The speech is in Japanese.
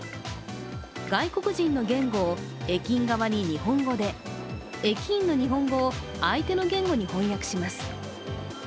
外国人の言語を駅員側に日本語で駅員の日本語を相手の言語に翻訳します。